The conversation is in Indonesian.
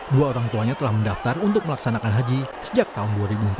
dua orang tuanya telah mendaftar untuk melaksanakan haji sejak tahun dua ribu empat belas